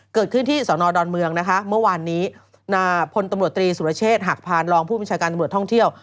เกิดขึ้นที่สอนอดอนเมืองนะคะเมื่อวานนี้พลตำรวจตรีสุรเชษฐ์หักพานรองผู้บัญชาการตำรวจท่องเที่ยว